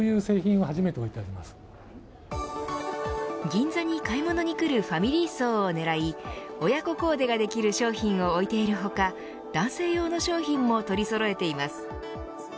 銀座に買い物に来るファミリー層を狙い親子コーデができる商品を置いている他男性用の商品も取りそろえています。